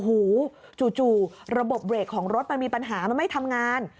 หูจู่ระบบเบรกของรถมันมีปัญหามันไม่ทำงาน